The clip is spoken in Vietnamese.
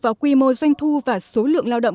vào quy mô doanh thu và số lượng lao động